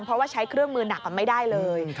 เพราะว่าใช้เครื่องมือหนักไม่ได้เลย